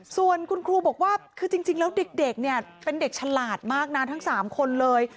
ส่วนคุณครูบอกว่าคือจริงแล้วเด็กเนี่ยเป็นเด็กฉลาดมากนะทั้ง๓คนเลย